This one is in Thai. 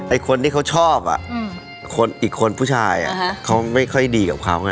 คนที่เขาชอบอีกคนผู้ชายเขาไม่ค่อยดีกับเขาไง